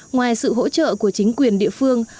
ngoài sự hỗ trợ của chính quyền địa phương